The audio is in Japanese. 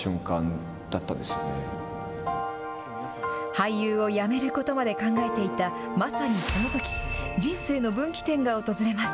俳優を辞めることまで考えていたまさにそのとき、人生の分岐点が訪れます。